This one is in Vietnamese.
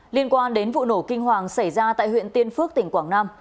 liên quan đến vụ nổ kinh hoàng xảy ra tại huyện tiên phước tỉnh quảng nam